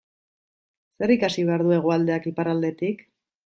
Zer ikasi behar du Hegoaldeak Iparraldetik?